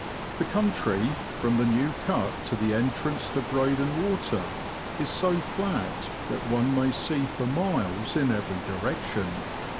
The country, from the New Cut to the entrance to Breydon Water, is so flat that one may see for miles in every direction.